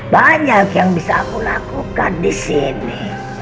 banyak yang bisa aku lakukan disini